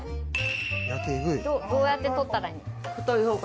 どうやって取ったらいい？